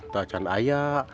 tak jalan ayak